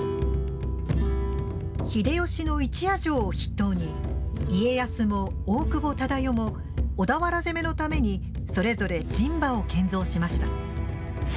秀吉の一夜城を筆頭に家康も大久保忠世も小田原攻めのためにそれぞれ陣馬を建造しました。